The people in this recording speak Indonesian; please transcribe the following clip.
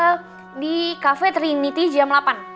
kita di cafe trinity jam delapan